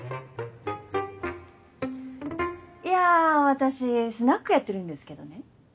いや私スナックやってるんですけどね。